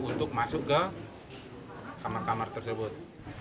untuk masuk ke kamar kamar tersebut